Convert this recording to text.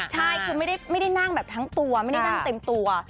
ใช่คือไม่ได้นั่งแบบทั้งตัวไม่ได้นั่งเต็มตัว